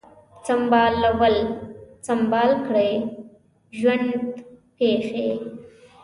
سمبالول ، سمبال کړی ، ژوند پیښې